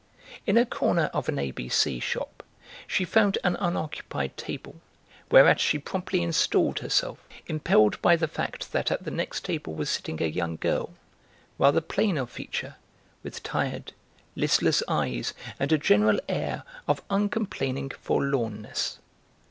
In a corner of an A.B.C. shop she found an unoccupied table, whereat she promptly installed herself, impelled by the fact that at the next table was sitting a young girl, rather plain of feature, with tired, listless eyes, and a general air of uncomplaining forlornness.